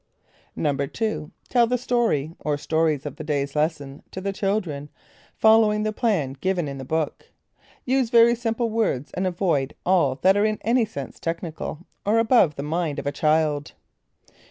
2. Tell the story (or stories) of the day's lesson to the children, following the plan given in the book. Use very simple words and avoid all that are in any sense technical, or above the mind of a child.